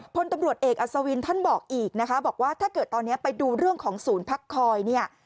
พลตำรวจเอกอัศวินท่านบอกอีกนะคะบอกว่าถ้าเกิดตอนนี้ไปดูเรื่องของศูนย์พักคอยเนี่ย